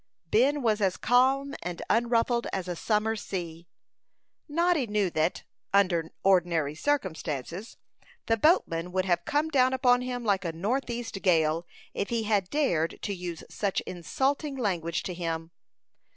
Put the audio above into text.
Ben was as calm and unruffled as a summer sea. Noddy knew that, under ordinary circumstances, the boatman would have come down upon him like a northeast gale, if he had dared to use such insulting language to him.